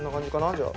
じゃあ。